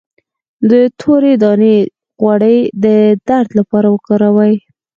د تورې دانې غوړي د درد لپاره وکاروئ